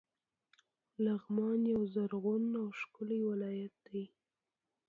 لغمان یو زرغون او ښکلی ولایت ده.